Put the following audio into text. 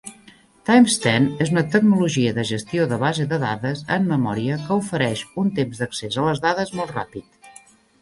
TimesTen és una tecnologia de gestió de base de dades en memòria que ofereix un temps d'accés a les dades molt ràpid.